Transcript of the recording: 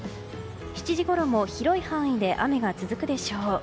７時ごろも広い範囲で雨が続くでしょう。